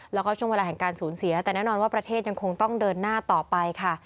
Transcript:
แล้วก็ช่วงเวลาแห่งการสูญเสียแต่แน่นอนว่าประเทศยังคงต้องเดินหน้าต่อไปค่ะ